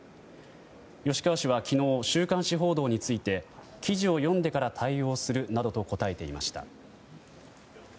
吉川氏は昨日週刊誌報道について記事を読んでから対応するなどと答えていました。